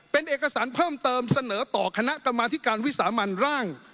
เป็นเอกสารเพิ่มเติมเสนอต่อคณะกรรมาธิการวิสามันร่าง